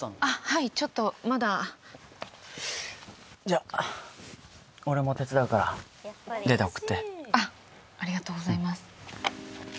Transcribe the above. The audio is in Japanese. はいちょっとまだじゃあ俺も手伝うからデータ送ってあっありがとうございます